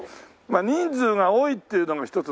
人数が多いっていうのが一つのね